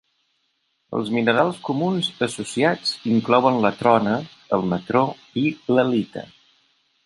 Els minerals comuns associats inclouen la trona, el natró i l'halita.